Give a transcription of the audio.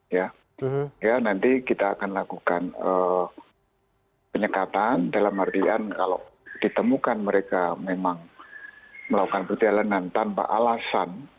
ya nanti kita akan lakukan penyekatan dalam artian kalau ditemukan mereka memang melakukan perjalanan tanpa alasan